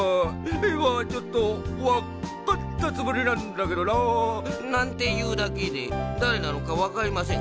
いまちょっとわっカッタツムリなんだけどな」なんていうだけでだれなのかわかりません。